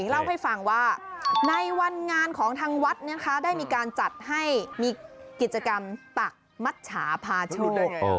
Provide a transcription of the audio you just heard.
เล่าให้ฟังว่าในวันงานของทางวัดนะคะได้มีการจัดให้มีกิจกรรมตักมัชชาพาชูนก